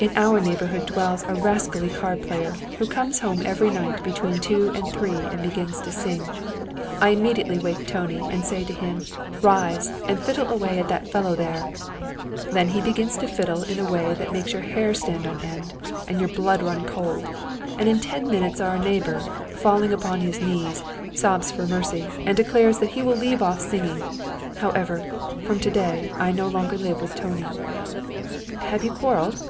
"In our neighbourhood dwells a rascally card player, who comes home every night between two and three, and begins to sing. I immediately wake Tony and say to him, 'Rise, and fiddle away at that fellow there!' Then he begins to fiddle in a way that makes your hair stand on end, and your blood run cold, and in ten minutes our neighbour, falling upon his knees, sobs for mercy, and declares that he will leave off singing. However, from to day I live no longer with Tony." "Have you quarrelled?"